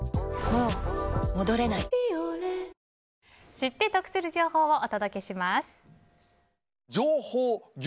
知って得する情報をお届けします。